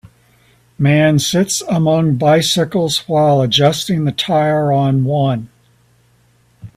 Man sits among bicycles while adjusting the tire on one.